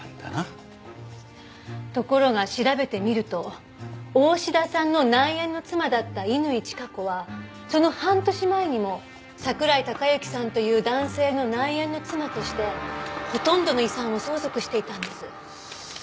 ところが調べてみると大志田さんの内縁の妻だった乾チカ子はその半年前にも桜井孝行さんという男性の内縁の妻としてほとんどの遺産を相続していたんです。